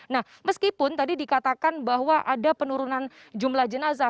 nah meskipun tadi dikatakan bahwa ada penurunan jumlah jenazah